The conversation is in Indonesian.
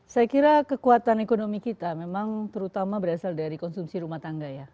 saya kira kekuatan ekonomi kita memang terutama berasal dari konsumsi rumah tangga ya